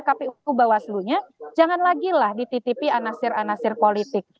kpu nya jangan lagi lah dititipi anasir anasir politik